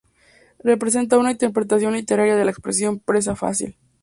Representa a una interpretación literal de la expresión "presa fácil".